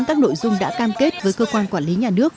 các nội dung đã cam kết với cơ quan quản lý nhà nước